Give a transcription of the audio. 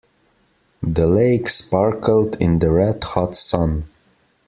The lake sparkled in the red hot sun.